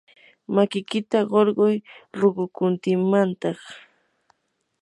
makikita qurquy ruqukuntimantaq.